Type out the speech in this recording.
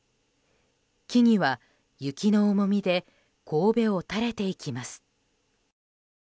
木々は雪の重みでこうべを垂れていきます。